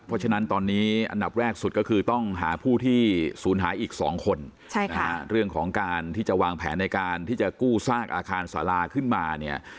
เพราะฉะนั้นตอนนี้อันดับแรกสุดก็คือต้องหาผู้ที่ศูนย์หายอีก๒คนเรื่องของการที่จะวางแผนในการที่จะกู้ซากอาคารสาราขึ้นมาเนี่ย